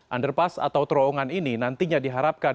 underpass atau terowongan ini nantinya diharapkan